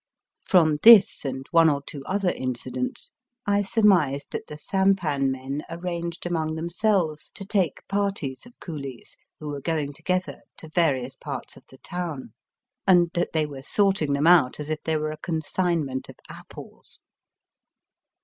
From this and one or two other incidents, I surmised that the sampan men Digitized by VjOOQIC 188 EAST BY WEST. arranged among themselves to take parties of coolies who were going together to various parts of the town, and that they were sorting them out as if they were a consignment of apples.